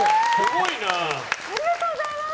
ありがとうございます！